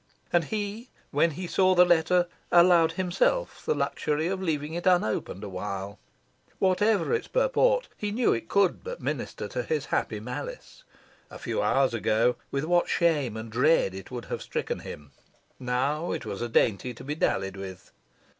And he, when he saw the letter, allowed himself the luxury of leaving it unopened awhile. Whatever its purport, he knew it could but minister to his happy malice. A few hours ago, with what shame and dread it would have stricken him! Now it was a dainty to be dallied with.